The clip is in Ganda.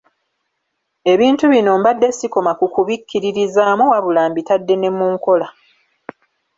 Ebintu bino mbadde sikoma ku kubikkiririzaamu wabula mbitadde ne mu nkola.